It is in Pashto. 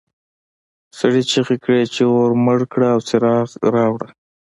سړي چیغې کړې چې اور مړ کړه او څراغ راوړه.